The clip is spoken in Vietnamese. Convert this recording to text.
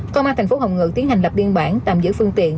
công an tp hồng ngự tiến hành lập biên bản tầm giữ phương tiện